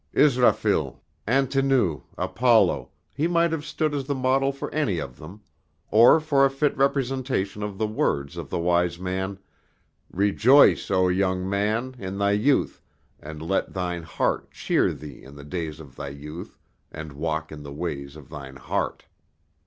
Israfil, Antinous, Apollo, he might have stood as the model for any of them, or for a fit representation of the words of the wise man, "Rejoice, oh, young man, in thy youth, and let thine heart cheer thee in the days of thy youth, and walk in the ways of thine heart."